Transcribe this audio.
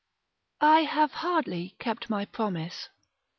§ I. I have hardly kept my promise.